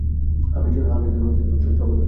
আমি একজন সফল লেখক।